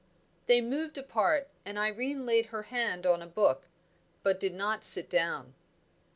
They moved apart, and Irene laid her hand on a book, but did not sit down.